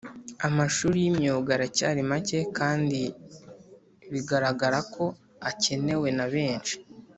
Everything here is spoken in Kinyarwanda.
Amashuri y imyuga aracyari make kandi bigaragara ko akenewe na benshi